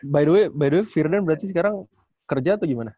by the way by the way fear dan berarti sekarang kerja atau gimana